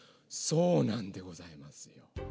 そうなんでございます。